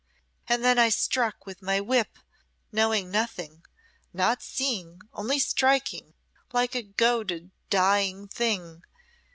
And then I struck with my whip, knowing nothing, not seeing, only striking, like a goaded dying thing.